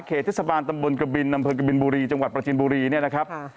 เทศบาลตำบลกบินอำเภอกบินบุรีจังหวัดประจินบุรีเนี่ยนะครับ